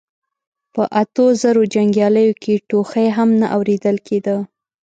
په اتو زرو جنګياليو کې ټوخی هم نه اورېدل کېده.